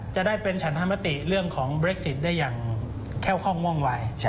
จะได้เป็นฉันธรรมติเรื่องของเบรคซิตได้อย่างแค่ข้องว่องวัย